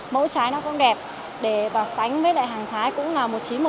mẫu trái nó cũng đẹp để vào sánh với lại hàng thái cũng là một chín một một mươi